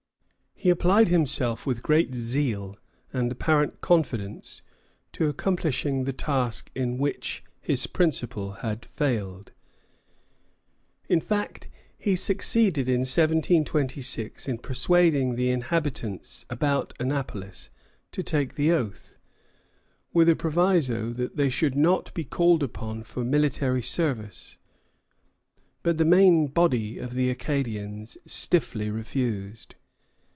He applied himself with great zeal and apparent confidence to accomplishing the task in which his principal had failed. In fact, he succeeded in 1726 in persuading the inhabitants about Annapolis to take the oath, with a proviso that they should not be called upon for military service; but the main body of the Acadians stiffly refused.